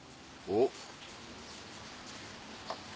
おっ。